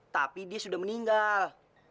tapi dia sudah meninggal